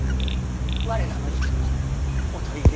我らの意見もお取り入れ。